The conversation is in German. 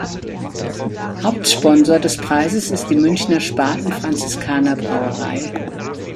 Hauptsponsor des Preises ist die Münchener Spaten-Franziskaner-Brauerei.